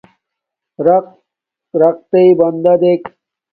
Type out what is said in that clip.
رَقرقتݵئ بندݺ دݵک.